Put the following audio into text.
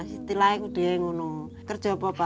siti lagi aku dia yang ngunu kerja apa pa